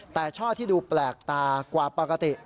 แต่ช่อที่ดูแปลกตากว่าปกติ